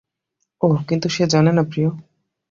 ওহ, কিন্তু সে জানেনা, প্রিয়।